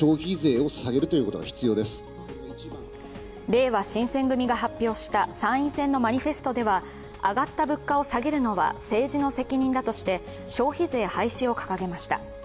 れいわ新選組が発表した参院選のマニフェストでは、上がった物価を下げるのは、政治の責任だとして消費税廃止を掲げました。